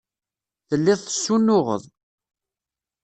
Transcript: Telliḍ tessunuɣeḍ.